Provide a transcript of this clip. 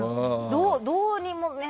どうにもね。